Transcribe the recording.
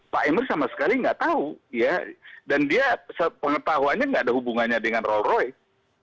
pak emir sama sekali enggak tahu ya dan dia sepengetahuannya enggak ada hubungannya dengan rolls royce